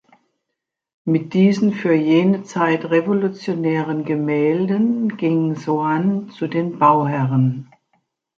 Mit diesen für jene Zeit revolutionären Gemälden ging Soane zu den Bauherren.